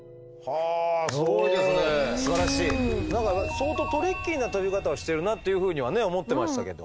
相当トリッキーな飛び方をしてるなというふうにはね思ってましたけど。